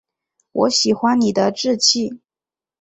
我喜欢你的志气